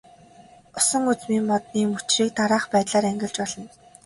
Усан үзмийн модны мөчрийг дараах байдлаар ангилж болно.